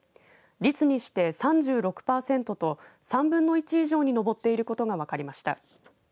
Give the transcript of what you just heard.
率にして３６パーセントと３分の１以上に上っていることが分かりました。